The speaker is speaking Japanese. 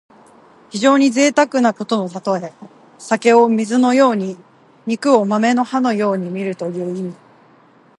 非常にぜいたくなことのたとえ。酒を水のように肉を豆の葉のようにみるという意味。